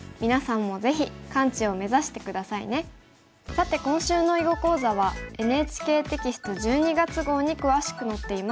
さて今週の囲碁講座はＮＨＫテキスト１２月号に詳しく載っています。